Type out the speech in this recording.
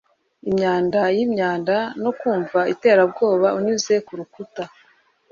imyanda yimyanda no kumva iterabwoba unyuze kurukuta